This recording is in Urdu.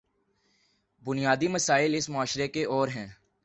بنیادی مسائل اس معاشرے کے اور ہیں۔